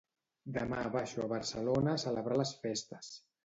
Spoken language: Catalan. Demà baixo a Barcelona a celebrar les festes.